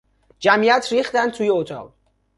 جمعیت ریختند توی اتاق.